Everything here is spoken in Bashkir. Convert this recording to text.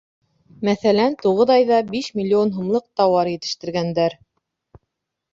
Мәҫәлән, туғыҙ айҙа биш миллион һумлыҡ тауар етештергәндәр.